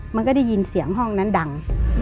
มันก็ได้ยินเสียงห้องนั้นดัง